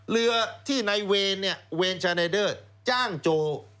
เหลือที่ในเวรเวรชาไนเดอร์จ้างโจ